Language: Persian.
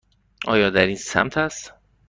آیا در این سمت است؟